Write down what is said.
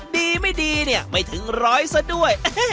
ดีไม่ดีเนี่ยไม่ถึงร้อยซะด้วย